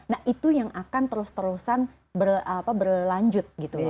nah itu yang akan terus terusan berlanjut gitu